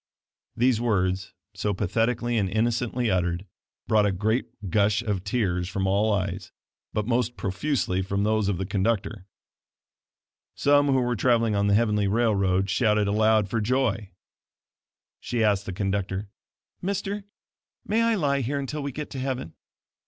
These words, so pathetically and innocently uttered, brought a great gush of tears from all eyes, but most profusely from those of the conductor. Some who were traveling on the heavenly railroad shouted aloud for joy. She asked the conductor: "Mister, may I lie here until we get to heaven?"